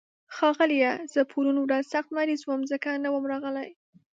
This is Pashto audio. ښاغليه، زه پرون ورځ سخت مريض وم، ځکه نه وم راغلی.